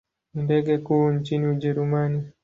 Ni ndege kuu nchini Ujerumani.